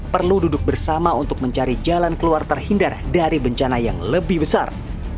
perlu duduk bersama untuk mencari jalan keluar terhindar dari bencana yang lebih besar